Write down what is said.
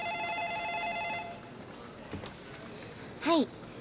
はい。